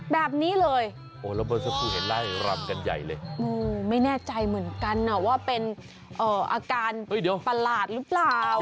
แบบนี้เลยไม่แน่ใจเหมือนกันว่าเป็นอาการประหลาดหรือเปล่า